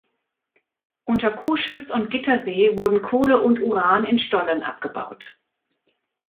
Unter Coschütz und Gittersee wurden Kohle und Uran in Stollen abgebaut.